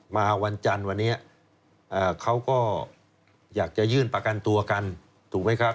วันจันทร์วันนี้เขาก็อยากจะยื่นประกันตัวกันถูกไหมครับ